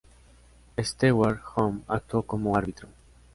Stewart Home actuó como árbitro.